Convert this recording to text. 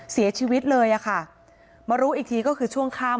เสียชีวิตเลยอะค่ะมารู้อีกทีก็คือช่วงค่ำ